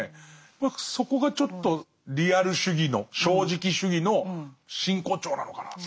僕そこがちょっとリアル主義の正直主義の真骨頂なのかなと。